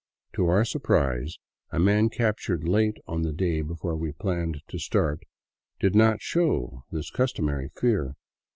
To our surprise, a man captured late on the day before we planned to start did not show this customary fear.